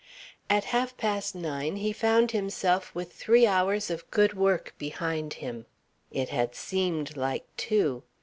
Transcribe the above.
At half past nine he found himself with three hours of good work behind him. It had seemed like two.